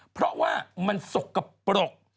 เพราะว่ามันสกปรก